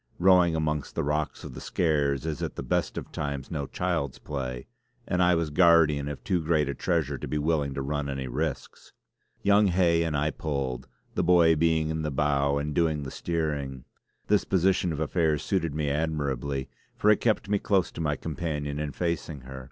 Rowing amongst the rocks of the Skares is at the best of times no child's play, and I was guardian of too great a treasure to be willing to run any risks. Young Hay and I pulled, the boy being in the bow and doing the steering. This position of affairs suited me admirably, for it kept me close to my companion and facing her.